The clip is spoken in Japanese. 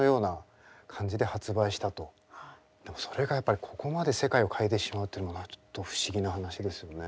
でもそれがやっぱりここまで世界を変えてしまうってのがちょっと不思議な話ですよね。